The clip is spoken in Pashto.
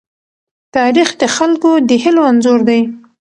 تاریخ د خلکو د هيلو انځور دی.